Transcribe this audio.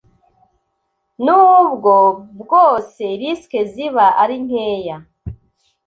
nubwo bwose risques ziba ari nkeya